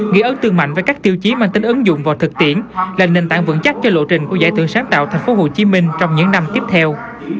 ghi ấn tương mạnh với các tiêu chí mang tính ứng dụng vào thực tiễn là nền tảng vững chắc cho lộ trình của giải thưởng sáng tạo tp hcm trong những năm tiếp theo